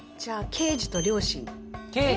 刑事と両親。